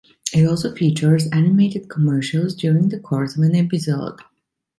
It also features animated commercials during the course of an episode.